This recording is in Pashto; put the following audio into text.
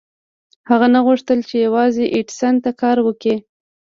هغه نه غوښتل چې يوازې ايډېسن ته کار وکړي.